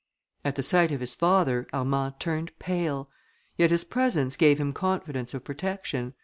At the sight of his father, Armand turned pale; yet his presence gave him confidence of protection.